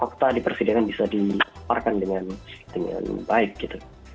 buat fakta fakta di persidangan bisa dilaporkan dengan baik gitu